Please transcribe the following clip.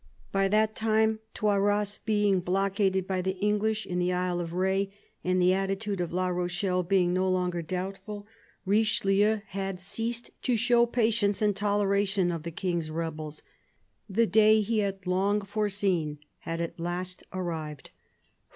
By that time, Toiras being block aded by the English in the Isle of R6, and the attitude of La Rochelle being no longer doubtful, Richelieu had ceased to show patience and toleration of the King's rebels. The day he had long foreseen had at last arrived.